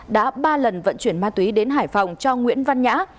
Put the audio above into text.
đã ba lần vận chuyển ma túy đến hải phòng cho nguyễn văn nhã